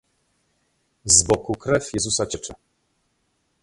Z boku krew Jezusa ciecze.